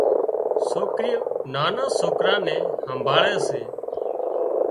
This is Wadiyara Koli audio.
سوڪريُون نانان سوڪران نين همڀاۯي سي